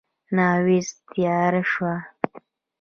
تاويذ تیار شو.